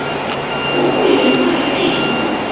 国会原在费城的国会厅集会了。